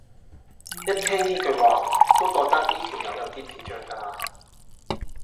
一聽依句話都覺得依條友有啲智障咖啦